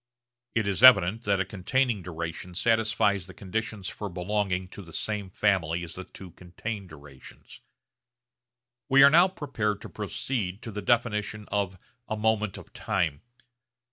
It is evident that a containing duration satisfies the conditions for belonging to the same family as the two contained durations. We are now prepared to proceed to the definition of a moment of time.